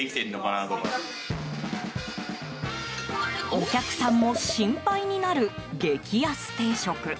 お客さんも心配になる激安定食。